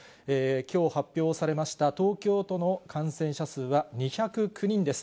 きょう発表されました東京都の感染者数は２０９人です。